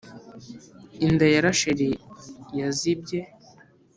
Inda ya Rasheli yazibye